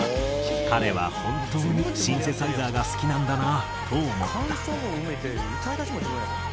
「彼は本当にシンセサイザーが好きなんだなと思った」。